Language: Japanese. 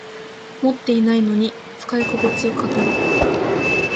持ってないのに使いここちを語る